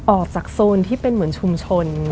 ออกจากโซนที่เป็นเหมือนชุมชน